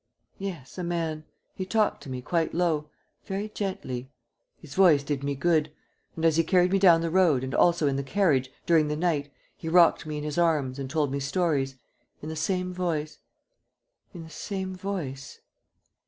"Yes, a man. He talked to me, quite low, very gently ... his voice did me good ... and, as he carried me down the road and also in the carriage, during the night, he rocked me in his arms and told me stories ... in the same voice ... in the same voice